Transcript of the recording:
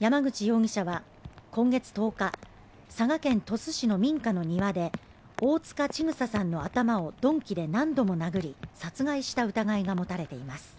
山口容疑者は今月１０日佐賀県鳥栖市の民家の庭で大塚千種さんの頭を鈍器で何度も殴り殺害した疑いが持たれています